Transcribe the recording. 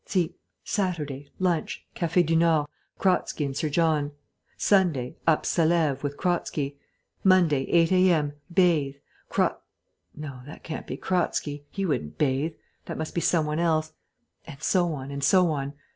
See: 'Saturday, Lunch, Café du Nord, Kratzky and Sir John. Sunday, Up Salève, with Kratzky. Monday, 8 a.m., Bathe, Kra ' No, that can't be Kratzky; he wouldn't bathe; that must be some one else. And so on, and so on.